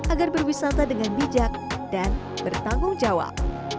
agar berwisata dengan bijak dan bertanggung jawab